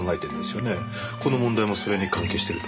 この問題もそれに関係してると。